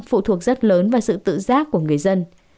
phụ thuộc rất lớn vào sự tự giác của người dân